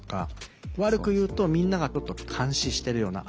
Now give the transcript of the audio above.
悪く言うとみんながちょっと監視してるような。